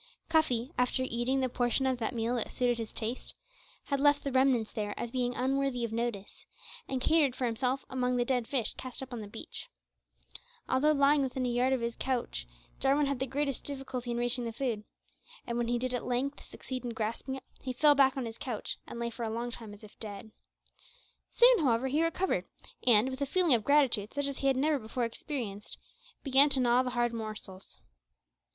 Cuffy, after eating the portion of that meal that suited his taste, had left the remnants there as being unworthy of notice, and catered for himself among the dead fish cast up on the beach. Although lying within a yard of his couch, Jarwin had the greatest difficulty in reaching the food; and when he did at length succeed in grasping it, he fell back on his couch, and lay for a long time as if dead. Soon, however, he recovered, and, with a feeling of gratitude such as he had never before experienced, began to gnaw the hard morsels.